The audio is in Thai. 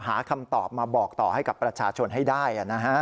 หาคำตอบมาบอกต่อให้กับประชาชนให้ได้